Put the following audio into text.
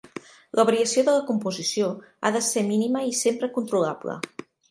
La variació de la composició ha de ser mínima i sempre controlable.